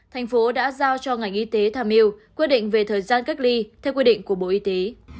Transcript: thành phố đã giao cho ngành y tế thàm yêu quyết định về thời gian gác ly theo quy định của bộ y tế